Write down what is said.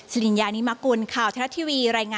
สริญญานิมกลข่าวเทลาทีวี